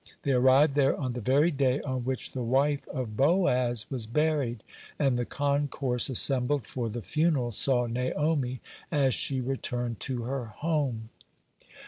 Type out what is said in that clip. They arrived there on the very day on which the wife of Boaz was buried, and the concourse assembled for the funeral saw Naomi as she returned to her home.